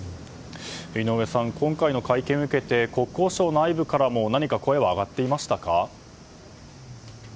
井上さん、今回の会見を受けて国交省内部からも何か声は上がっていましたか？